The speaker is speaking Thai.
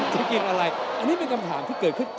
จะกินอะไรอันนี้เป็นคำถามที่เกิด